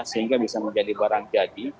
sehingga bisa menjadi barang jadi